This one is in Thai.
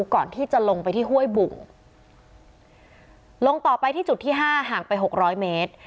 ก่อนที่จะลงไปที่ห้วยบุ่งลงต่อไปที่จุดที่ห้าห่างไปหกร้อยเมตร